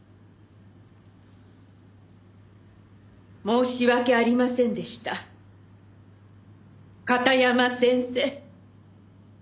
申し訳ありませんでした片山先生。